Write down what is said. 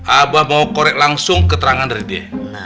abah mau korek langsung keterangan dari dia